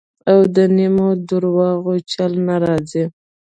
او د نیمو درواغو چل نه راځي.